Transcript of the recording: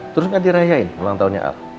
terus gak dirayain ulang tahunnya al